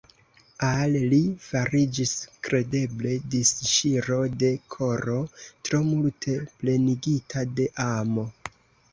Al li fariĝis kredeble disŝiro de koro, tro multe plenigita de amo.